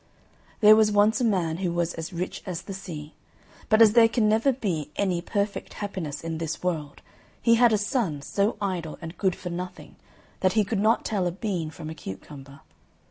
There was once a man who was as rich as the sea, but as there can never be any perfect happiness in this world, he had a son so idle and good for nothing that he could not tell a bean from a cucumber.